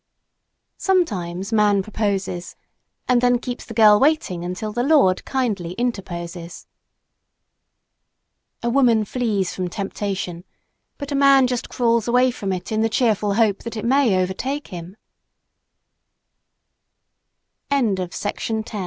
Sometimes man proposes and then keeps the girl waiting until the Lord kindly interposes. A WOMAN FLEES FROM TEMPTATION, BUT A MAN JUST CRAWLS AWAY FROM IT IN THE CHEERFUL HOPE THAT IT MAY OVERTAKE HIM